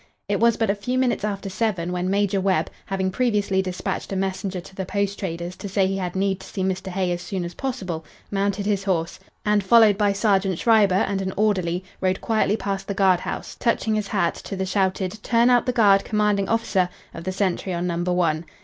It was but a few minutes after seven when Major Webb, having previously despatched a messenger to the post trader's to say he had need to see Mr. Hay as soon as possible, mounted his horse and, followed by Sergeant Schreiber and an orderly, rode quietly past the guard house, touching his hat to the shouted "Turn out the guard commanding officer" of the sentry on Number One.